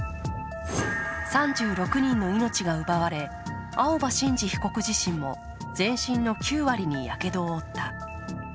３６人の命が奪われ、青葉真司被告自身も全身の９割にやけどを負った。